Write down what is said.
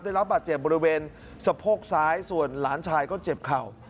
ได้รับบาดเจ็บบริเวณสะโพกซ้ายส่วนหลานชายก็เจ็บเข่า